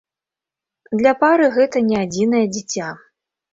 Для пары гэты не адзінае дзіця.